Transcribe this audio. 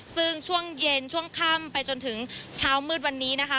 ซึ่งช่วงเย็นช่วงค่ำไปจนถึงเช้ามืดวันนี้นะคะ